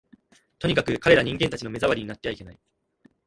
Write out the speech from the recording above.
とにかく、彼等人間たちの目障りになってはいけない